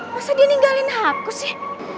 masa dia ninggalin hakku sih